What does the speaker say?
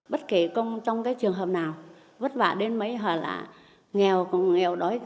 bất kể trong trường hợp nào vất vả đến mấy hồi là nghèo còn nghèo đói